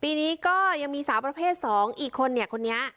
ปีนี้ก็ยังมีสาวประเภท๒อีกคนเนี่ยคนนี้